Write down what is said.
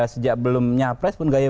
sejak belum nyapres pun